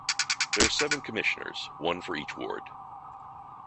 There are seven commissioners, one for each ward.